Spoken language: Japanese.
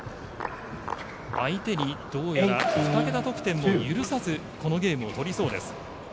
相手にどうやら２桁得点を許さずこのゲームを取りそうです。